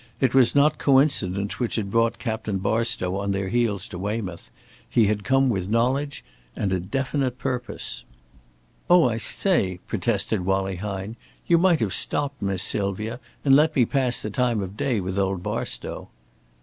It was not coincidence which had brought Captain Barstow on their heels to Weymouth. He had come with knowledge and a definite purpose. "Oh, I say," protested Wallie Hine, "you might have stopped, Miss Sylvia, and let me pass the time of day with old Barstow."